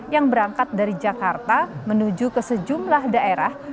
yang berangkat dari jakarta menuju ke sejumlah daerah